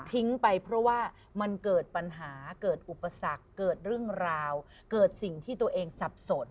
ทิ้งไปเพราะว่ามันเกิดปัญหาเกิดอุปสรรคเกิดเรื่องราวเกิดสิ่งที่ตัวเองสับสน